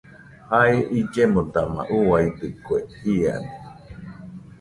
Jae illemo dama uiadɨkue iade.